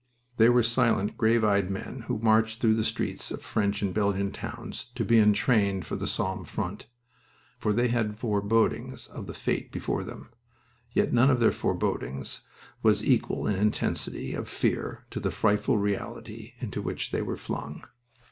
They were silent, grave eyed men who marched through the streets of French and Belgian towns to be entrained for the Somme front, for they had forebodings of the fate before them. Yet none of their forebodings were equal in intensity of fear to the frightful reality into which they were flung.